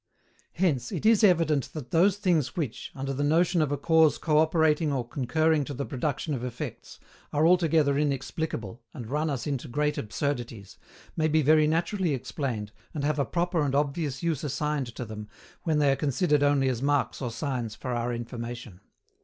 Hence, it is evident that those things which, under the notion of a cause co operating or concurring to the production of effects, are altogether inexplicable, and run us into great absurdities, may be very naturally explained, and have a proper and obvious use assigned to them, when they are considered only as marks or signs for our information.